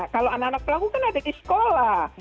kalau anak anak pelaku kan ada di sekolah